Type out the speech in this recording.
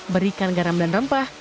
berikan garam dan rempah